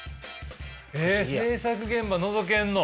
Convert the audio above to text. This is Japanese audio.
えっ制作現場のぞけんの？